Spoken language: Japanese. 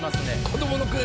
子どもの句。